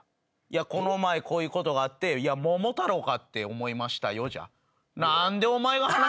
「この前こういうことがあって『桃太郎』かって思いましたよ」じゃ。